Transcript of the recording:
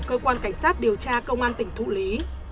cơ quan cảnh sát điều tra công an tỉnh thụ lý